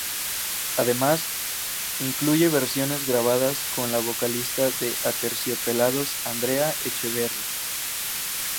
Además, incluye versiones grabadas con la vocalista de Aterciopelados Andrea Echeverri.